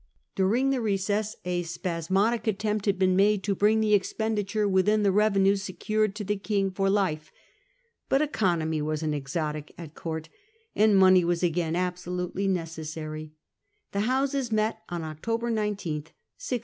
During the recess a spasmodic attempt had been made to bring the expenditure within the revenue secured to the King for life. But * economy was an exotic at court,' 1669. Intolerance of the Commons. 171 and money was again absolutely necessary. The Houses met on October 19, 1669.